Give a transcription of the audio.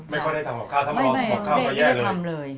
ไม่ค่อยได้ทำกับข้าวทำรอทำกับข้าวก็แย่เลย